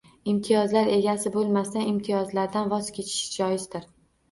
Imtiyozlar egasi bo'lmasdan, imtiyozlardan voz kechish joizdir